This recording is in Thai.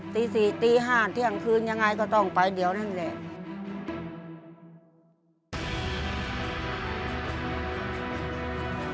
ตี๔ตี๕เที่ยงคืนยังไงก็ต้องไปเดี๋ยวนั่นแหละ